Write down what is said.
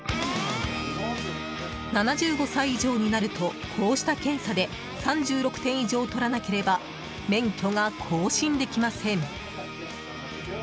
７５歳以上になるとこうした検査で３６点以上をとらなければ免許が更新できません。